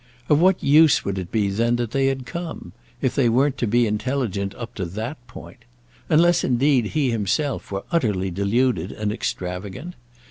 Of what use would it be then that they had come?—if they weren't to be intelligent up to that point: unless indeed he himself were utterly deluded and extravagant?